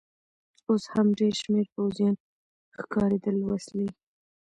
اوس هم ډېر شمېر پوځیان ښکارېدل، وسلې.